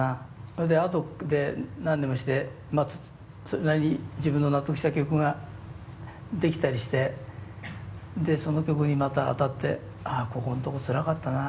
それで後で何でもしてそれなりに自分の納得した曲が出来たりしてでその曲にまた当たって「あっここんとこつらかったな。